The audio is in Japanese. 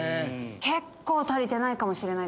結構足りてないかもしれない。